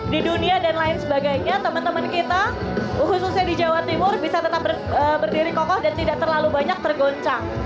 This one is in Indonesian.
di dunia dan lain sebagainya teman teman kita khususnya di jawa timur bisa tetap berdiri kokoh dan tidak terlalu banyak tergoncang